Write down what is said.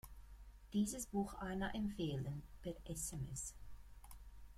Dieses Buch Anna empfehlen, per SMS.